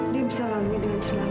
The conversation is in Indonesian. dia bisa lalui dengan senang